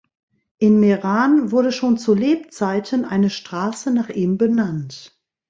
In Meran wurde schon zu Lebzeiten eine Straße nach ihm benannt.